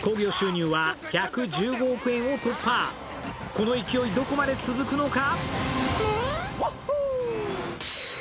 この勢い、どこまで続くのか？